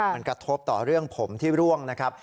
มันกระทบต่อเรื่องผมที่ร่วงนะครับ